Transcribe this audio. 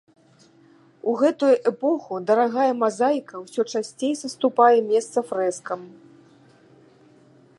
У гэтую эпоху дарагая мазаіка ўсё часцей саступае месца фрэскам.